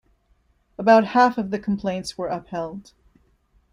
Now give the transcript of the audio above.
About half of the complaints were upheld.